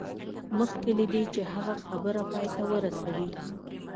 مخکې له دې چې هغه خبره پای ته ورسوي